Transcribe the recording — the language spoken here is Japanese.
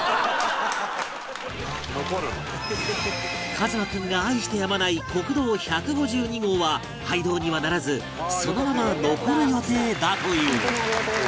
一翔君が愛してやまない国道１５２号は廃道にはならずそのまま残る予定だという